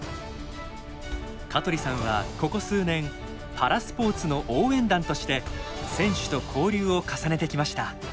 香取さんはここ数年パラスポーツの応援団として選手と交流を重ねてきました。